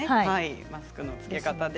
マスクの着け方